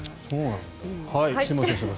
すいません。